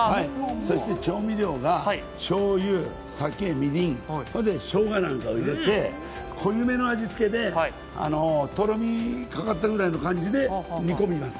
そして調味料が、しょうゆ、酒、みりん、しょうがなんかを入れて濃いめの味付けでとろみがかかったぐらいの感じで煮込みます。